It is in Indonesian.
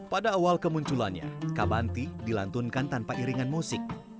pada awal kemunculannya kabanti dilantunkan tanpa iringan musik